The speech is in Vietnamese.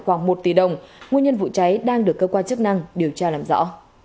khoảng một tỷ đồng nguyên nhân vụ cháy đang được cơ quan chức năng điều tra làm rõ